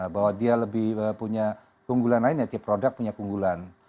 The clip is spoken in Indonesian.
bahwa dia lebih punya keunggulan lain ya tiap produk punya keunggulan